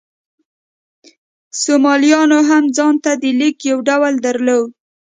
سومالیایانو هم ځان ته د لیک یو ډول درلود.